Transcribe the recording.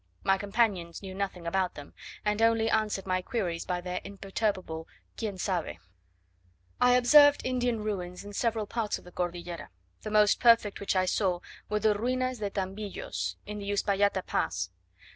My companions knew nothing about them, and only answered my queries by their imperturbable "quien sabe?" I observed Indian ruins in several parts of the Cordillera: the most perfect which I saw, were the Ruinas de Tambillos, in the Uspallata Pass.